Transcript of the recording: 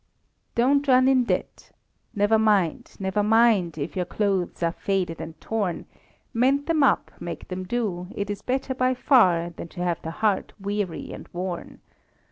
"Don't run in debt;" never mind, never mind If your clothes are faded and torn: Mend them up, make them do; it is better by far Than to have the heart weary and worn.